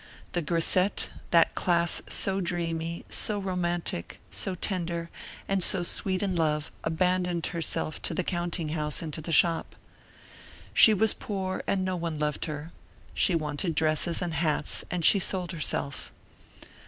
The grisette, that class so dreamy, so romantic, so tender, and so sweet in love, abandoned herself to the counting house and to the shop. She was poor and no one loved her; she wanted dresses and hats and she sold herself.